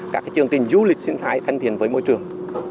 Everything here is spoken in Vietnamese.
các chương trình du lịch sinh thái thân thiện với môi trường